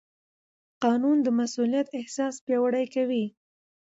قانون د مسوولیت احساس پیاوړی کوي.